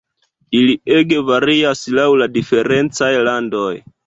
Ili ege varias laŭ la diferencaj landoj.